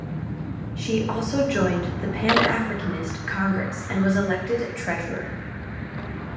She also joined the Pan Africanist Congress and was elected treasurer.